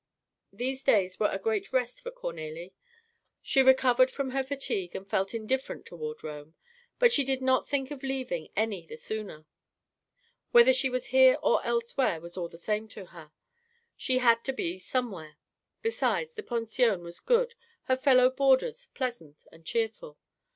These days were a great rest for Cornélie. She recovered from her fatigue and felt indifferent towards Rome. But she did not think of leaving any the sooner. Whether she was here or elsewhere was all the same to her: she had to be somewhere. Besides, the pension was good, her fellow boarders pleasant and cheerful.